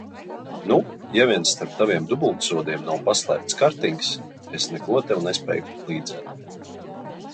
Nu, ja vien starp taviem dubultzodiem nav paslēpts kartings, es neko tev nespēju līdzēt!